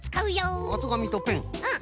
うん。